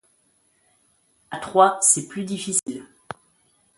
À trois, c’est plus difficile!